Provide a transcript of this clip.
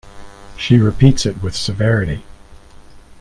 She repeats it with severity.